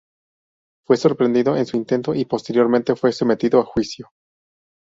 Fue sorprendido en su intento y posteriormente fue sometido a juicio.